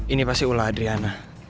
ini pasti ulah adriana